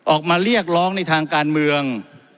ออกมาเรียกร้องในทางการเมือง